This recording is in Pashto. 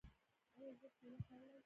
ایا زه کیله خوړلی شم؟